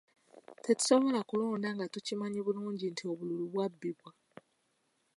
Tetusobola kulonda nga tukimanyi bulungi nti obululu bwabbibwa.